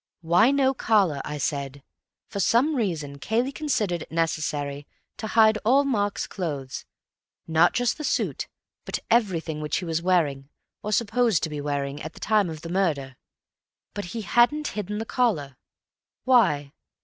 'Why no collar?' I said. For some reason Cayley considered it necessary to hide all Mark's clothes; not just the suit, but everything which he was wearing, or supposed to be wearing, at the time of the murder. But he hadn't hidden the collar. Why?